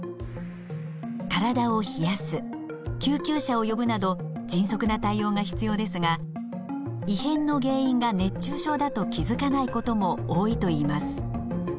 体を冷やす救急車を呼ぶなど迅速な対応が必要ですが異変の原因が熱中症だと気づかないことも多いといいます。